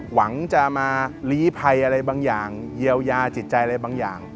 หวังจะมาลีภัยอะไรบางอย่างเยียวยาจิตใจอะไรบางอย่าง